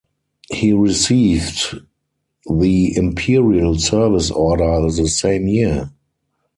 He received the Imperial Service Order the same year.